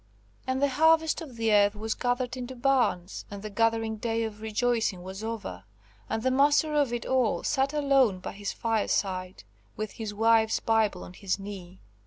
And the harvest of the earth was gathered into barns, and the gathering day of rejoicing was over, and the Master of it all sat alone by his fire side, with his wife's Bible on his knee.